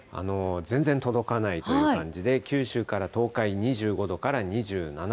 全然届かないという感じで、九州から東海２５度から２７度。